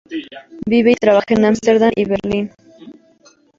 Vive y trabaja entre Ámsterdam y Berlín.